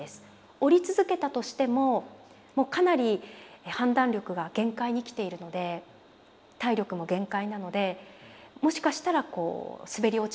下り続けたとしてももうかなり判断力が限界に来ているので体力も限界なのでもしかしたらこう滑り落ちて滑落するかもしれない。